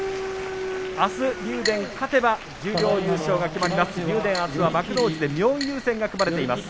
あす竜電、勝てば十両優勝が決まります。